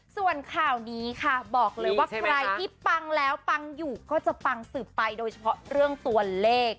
ส่วนข่าวนี้ค่ะบอกเลยว่าใครที่ปังแล้วปังอยู่ก็จะปังสืบไปโดยเฉพาะเรื่องตัวเลข